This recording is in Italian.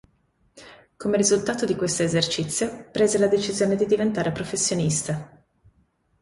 Come risultato di questo esercizio, prese la decisione di diventare professionista.